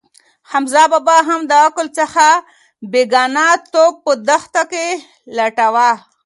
حمزه بابا هم له عقل څخه بېګانه توب په دښته کې لټاوه.